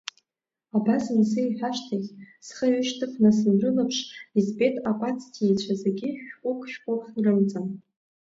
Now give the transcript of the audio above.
Абас ансеиҳәа ашьҭахь, схы ҩышьҭыхны санрылаԥш, избеит акәацҭиҩцәа зегьы шәҟәык-шәҟәык рымҵан.